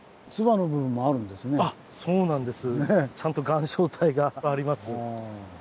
あっそうなんです。